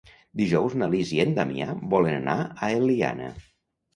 Dijous na Lis i en Damià volen anar a l'Eliana.